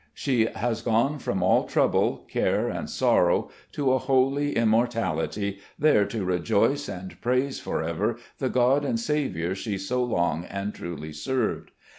She has gone from all trouble, care and sorrow to a holy immortality, there to rejoice and praise forever the God and Saviour she so long and truly served.